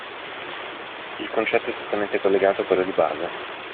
Il concetto è strettamente collegato a quello di base.